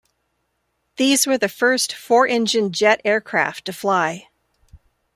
These were the first four-engine jet aircraft to fly.